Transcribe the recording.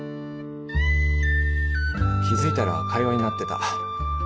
気付いたら会話になってた。